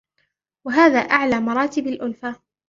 وَهَذَا أَعْلَى مَرَاتِبِ الْأُلْفَةِ